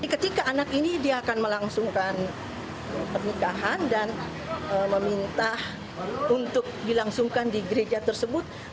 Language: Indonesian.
ketika anak ini dia akan melangsungkan pernikahan dan meminta untuk dilangsungkan di gereja tersebut